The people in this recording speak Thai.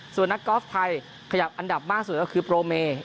ส่วนนักกอล์ฟไทยขยับอันดับมากสุดก็คือโปรเม